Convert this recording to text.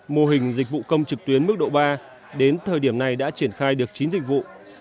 mô hình dịch vụ công trực tuyến mức độ ba đến thời điểm này đã triển khai được chín dịch vụ